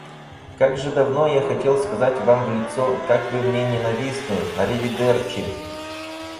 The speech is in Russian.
Как же давно я хотел сказать вам в лицо, как вы мне ненавистны. Аривидерчи!